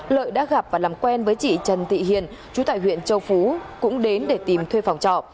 lợi đã gặp và làm quen với chị trần thị hiền chú tại huyện châu phú cũng đến để tìm thuê phòng trọ